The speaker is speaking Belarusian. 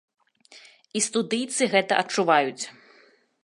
І студыйцы гэта адчуваюць.